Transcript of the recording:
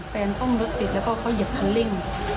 แฟนซ่อมรถฟิตแล้วก็เขาเหยียบทัลลิ่ง